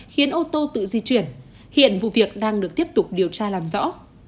khiến ô tô tự di chuyển hiện vụ việc đang được tiếp tục điều tra làm rõ